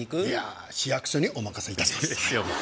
いや市役所にお任せいたします